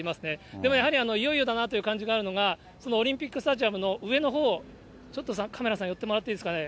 でもやはり、いよいよだなという感じがあるのが、そのオリンピックスタジアムの上のほう、ちょっとカメラさん、寄ってもらっていいですかね。